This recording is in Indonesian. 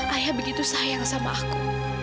ayah begitu sayang sama aku